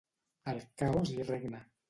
El caos hi regna.